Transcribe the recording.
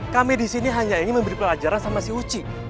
kami di sini hanya ingin memberi pelajaran sama si uci